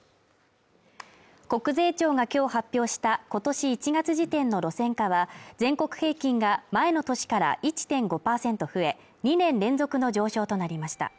国税庁が今日発表した今年１月時点の路線価は全国平均が前の年から１．５％増え、２年連続の上昇となりました。